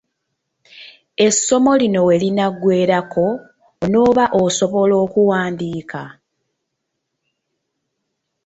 Essomo lino we linaggweerako onooba osobola okuwandiika?